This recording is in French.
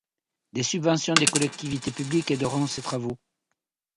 Des subventions des collectivités publiques aideront ces travaux.